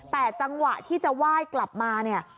แต่จังหวะที่จะไหว้กลับมาเนี่ย